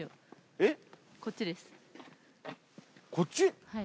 こっち？